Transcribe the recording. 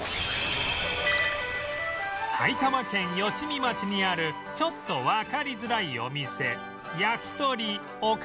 埼玉県吉見町にあるちょっとわかりづらいお店やきとりおかむら